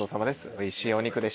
おいしいお肉で。